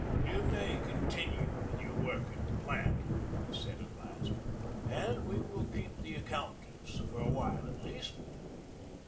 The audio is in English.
"You may continue with your work in the plant," he said at last, "and we will keep the accountants, for a while at least.